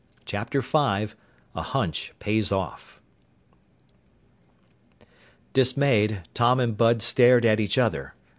_" CHAPTER V A HUNCH PAYS OFF Dismayed, Tom and Bud stared at each other.